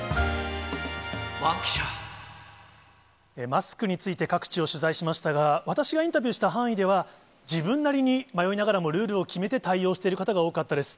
マスクについて、各地を取材しましたが、私がインタビューした範囲では、自分なりに迷いながらもルールを決めて対応している方が多かったです。